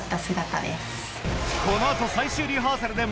この後最終リハーサルで